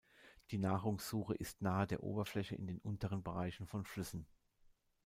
Die Nahrungssuche ist nahe der Oberfläche in den unteren Bereichen von Flüssen.